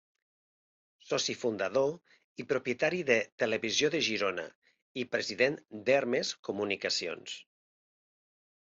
Soci fundador i propietari de Televisió de Girona i president d'Hermes Comunicacions.